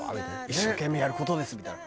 「一生懸命やる事です」みたいな。